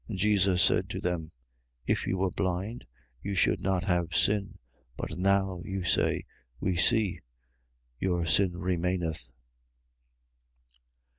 9:41. Jesus said to them: If you were blind, you should not have sin: but now you say: We see. Your sin remaineth.